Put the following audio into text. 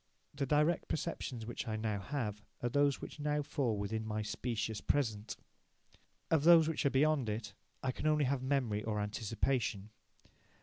The direct perceptions which I now have are those which now fall within my "specious present". Of those which are beyond it, I can only have memory or anticipation.